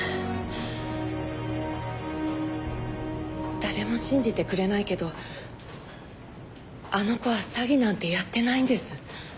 誰も信じてくれないけどあの子は詐欺なんてやってないんです。